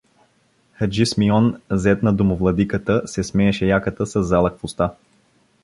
Хаджи Смион, зет на домовладиката, се смееше яката със залък в уста.